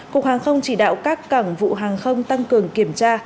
cục hàng không chỉ đạo các cảng vụ hàng không tăng cường kiểm tra